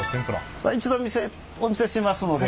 一度お見せしますので。